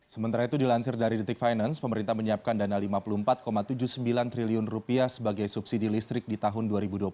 sementara itu dilansir dari detik finance pemerintah menyiapkan dana rp lima puluh empat tujuh puluh sembilan triliun sebagai subsidi listrik di tahun dua ribu dua puluh satu